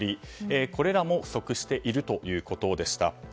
これらも不足しているということでした。